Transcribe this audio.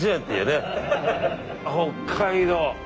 北海道！